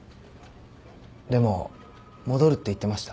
でも戻るって言ってました。